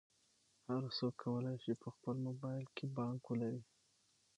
هر څوک کولی شي په خپل موبایل کې بانک ولري.